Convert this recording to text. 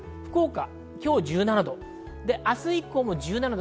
今日１７度、明日以降も１７度。